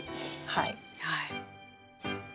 はい。